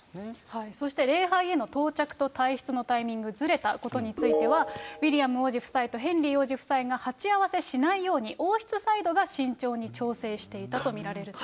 そして礼拝への到着と退室のタイミングがずれたことについては、ウィリアム王子夫妻とヘンリー王子夫妻が鉢合わせしないように、王室サイドが慎重に調整していたと見られると。